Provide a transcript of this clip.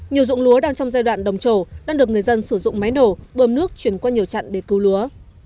nhiều dụng lúa đang trong giai đoạn đồng trổ đang được người dân sử dụng máy nổ bơm nước chuyển qua nhiều chặn để cứu lúa